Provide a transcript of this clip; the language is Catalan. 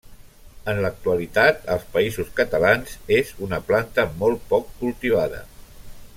En l'actualitat, als Països Catalans és una planta molt poc cultivada.